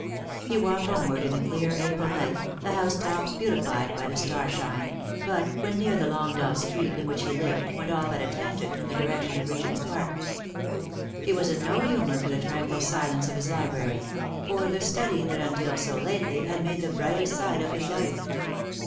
He walked homeward in the clear April night, the house tops beautified by the star shine, but, when near the long dull street in which he lived, went off at a tangent in the direction of Regent's Park. He was in no humour for the tranquil silence of his library — for the study that until so lately had made the brightest side of his life.